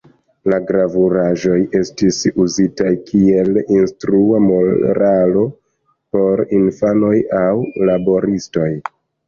La gravuraĵoj estis uzitaj kiel instrua moralo por infanoj aŭ laboristoj.